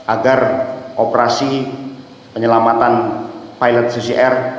agar operasi penyelamatan pilot ccr